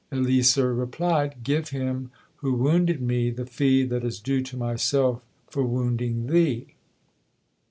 Eleasar replied "Give him who wounded me the fee that is due to myself for wounding thee."